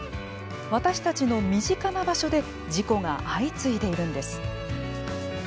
私たちの身近な場所で事故が相次いでいるのです。